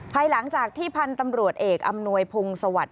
ภายหลังจากที่พันธ์ตำรวจเอกอำนวยพงศวรรค